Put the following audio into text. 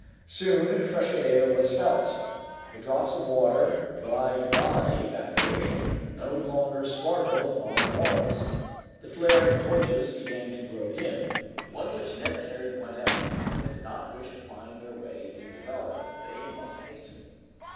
Soon fresher air was felt. The drops of water, dried by evaporation, no longer sparkled on the walls. The flaring torches began to grow dim. The one which Neb carried went out, and if they did not wish to find their way in the dark, they must hasten.